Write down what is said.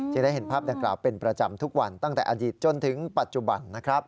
ได้เห็นภาพดังกล่าวเป็นประจำทุกวันตั้งแต่อดีตจนถึงปัจจุบันนะครับ